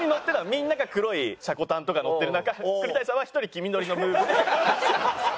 みんなが黒いシャコタンとか乗ってる中栗谷さんは一人黄緑のムーヴで来てたんです。